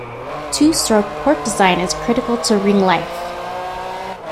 Two-stroke port design is critical to ring life.